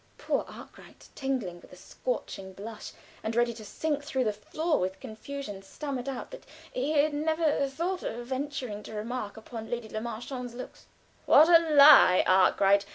Poor Arkwright, tingling with a scorching blush, and ready to sink through the floor with confusion, stammered out that he had never thought of venturing to remark upon my Lady Le Marchant's looks. "What a lie, Arkwright!